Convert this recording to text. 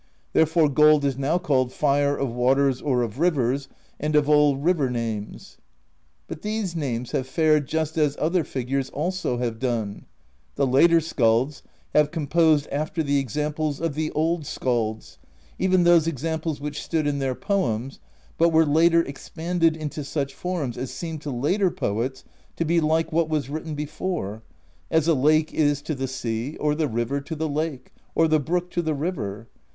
Therefore gold is now called Fire of Waters or of Rivers, and of all river names. "But these names have fared just as other figures also have done: the later skalds have composed after the exam ples of the old skalds, even those examples which stood in their poems, but were later expanded into such forms as seemed to later poets to be like what was written before: as a lake is to the sea, or the river to the lake, or the brook to the river.